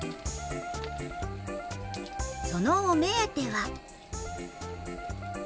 そのお目当ては。